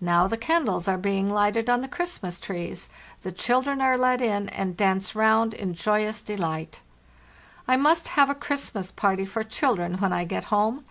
"Now the candles are being hghted on the Christ mas trees, the children are let in and dance round in joy ous delight. I must have a Christmas party for children when I get home.